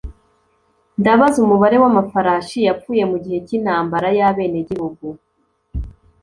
ndabaza umubare w'amafarashi yapfuye mugihe cy'intambara y'abenegihugu